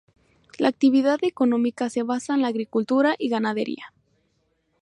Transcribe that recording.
La actividad económica se basa en la agricultura y ganadería.